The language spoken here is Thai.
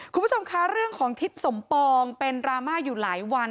คุณผู้ชมคะเรื่องของทิศสมปองเป็นดราม่าอยู่หลายวัน